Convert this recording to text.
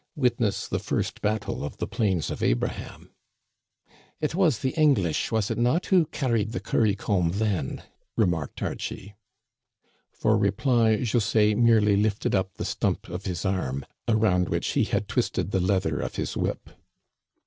Witness the first battle of the Plains of Abraham !" It was the English, was it not, who carried the curry comb then ?" remarked Archie. For reply, José merely lifted up the stump of his arm, around which he had twisted the leather of his whip.